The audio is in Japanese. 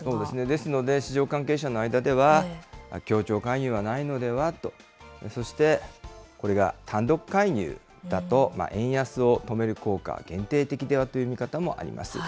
ですので市場関係者の間では、協調介入はないのでは？と、そして、これが単独介入だと、円安を止める効果は限定的ではという見方もあります。